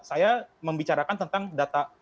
saya membicarakan tentang data